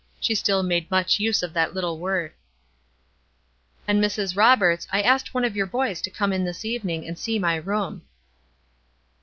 She still made much use of that little word. "And, Mrs. Roberts, I asked one of your boys to come in this evening and see my room."